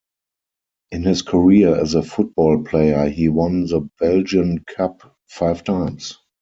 In his career as a football player he won the Belgian Cup five times.